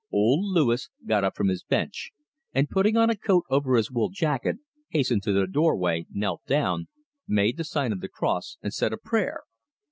Old Louis got up from his bench, and, putting on a coat over his wool jacket, hastened to the doorway, knelt down, made the sign of the cross, and said a prayer.